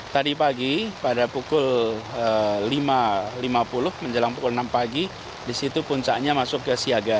tadi pagi pada pukul lima lima puluh menjelang pukul enam pagi di situ puncaknya masuk ke siaga